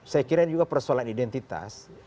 saya kira juga persoalan identitas